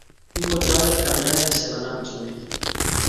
Kikotorit kamersaishek konam chorik